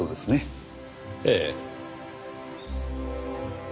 ええ。